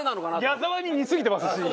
矢沢に似すぎてますし。